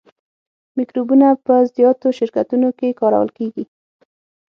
مکروبونه په زیاتو شرکتونو کې کارول کیږي.